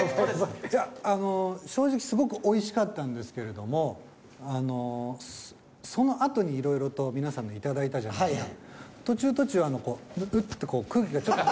あの正直すごくおいしかったんですけれどもあのそのあとにいろいろと皆さんのいただいたじゃないですか。と空気がちょっと。